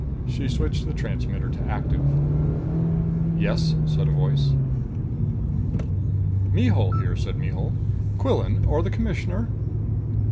She switched the transmitter to active. "Yes?" said a voice. "Mihul here," said Mihul. "Quillan or the Commissioner...."